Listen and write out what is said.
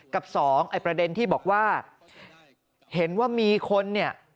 กับสองไอ้ประเด็นที่บอกว่าเห็นว่ามีคนเนี่ย